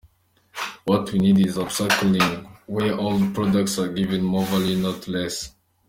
What we need is upcycling where old products are given more value not less.